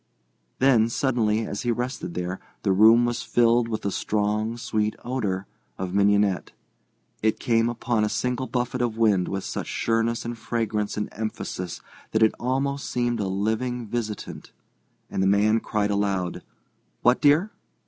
Then, suddenly, as he rested there, the room was filled with the strong, sweet odour of mignonette. It came as upon a single buffet of wind with such sureness and fragrance and emphasis that it almost seemed a living visitant. And the man cried aloud: "What, dear?"